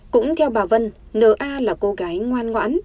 cũng theo bà vân n a là cô gái ngoan ngoãn